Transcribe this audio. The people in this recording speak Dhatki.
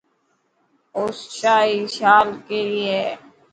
او سائي شال ڪيري هي.